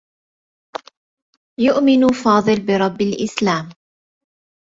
يؤمن فاضل بربّ الإسلام.